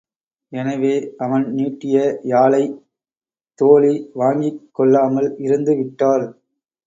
எனவே அவன் நீட்டிய யாழைத் தோழி வாங்கிக் கொள்ளாமல் இருந்து விட்டாள்.